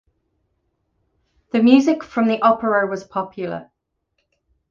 The music from the opera was popular.